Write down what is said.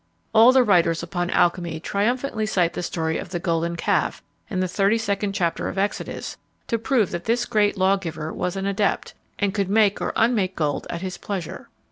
All the writers upon alchymy triumphantly cite the story of the golden calf, in the 32d chapter of Exodus, to prove that this great lawgiver was an adept, and could make or unmake gold at his pleasure.